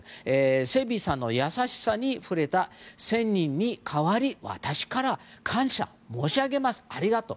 セビーさんの優しさに触れた１０００人に代わり私から感謝申し上げますありがとう。